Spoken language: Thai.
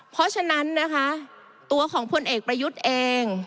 เพราะฉะนั้นนะคะตัวของพลเอกประยุทธ์เอง